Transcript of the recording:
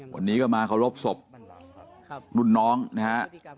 วันนี้ก็มาเคารพศพรุ่นน้องนะฮะ